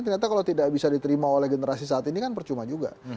ternyata kalau tidak bisa diterima oleh generasi saat ini kan percuma juga